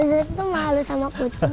malu sama kucing itu malu sama kucing